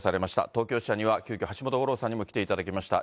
東京支社には、急きょ、橋本五郎さんにも来ていただきました。